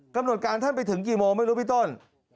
กำหนดการท่านไปถึงกี่โมงไม่รู้พี่ต้น